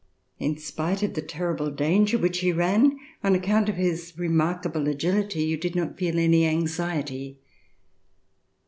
In spite of the terrible danger which he ran, on account of his remarkable agility, you did not feel any anxiety.